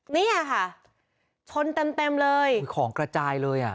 นี่ค่ะชนเต็มเลยของกระจายเลย